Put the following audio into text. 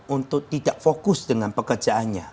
untuk tidak fokus dengan pekerjaannya